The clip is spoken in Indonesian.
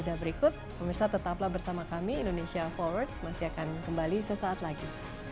dan bersama kami indonesia forward masih akan kembali sesaat lagi